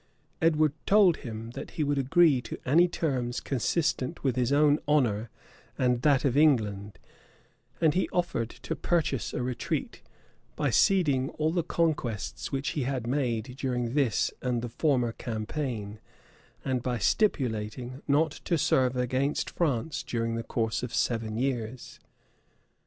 Edward told him, that he would agree to any terms consistent with his own honor and that of England; and he offered to purchase a retreat, by ceding all the conquests which he had made during this and the former campaign, and by stipulating not to serve against France during the course of seven years.